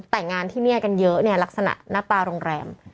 แต่งงานที่นี่กันเยอะเนี่ยลักษณะหน้าตาโรงแรม